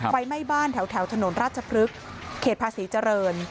ไฟไหม้บ้านแถวถนนราชพฤกษ์เขตภาษีเจริญ